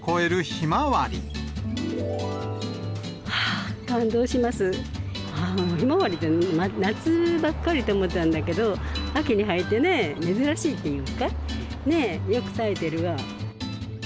ひまわりって夏ばっかりって思ってたんだけど、秋に生えてね、珍しいというか、ねぇ、よく咲いてるわ。